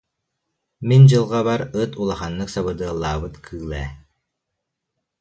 Мин дьылҕабар ыт улаханнык сабыдыаллаабыт кыыл ээ